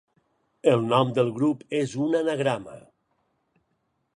El nom del grup és un anagrama.